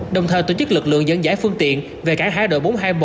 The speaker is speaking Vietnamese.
đồng thời tổ chức lực lượng dẫn giải phương tiện về cả hai đội bốn trăm hai mươi một